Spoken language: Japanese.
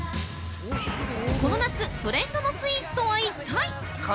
この夏トレンドのスイーツとは一体？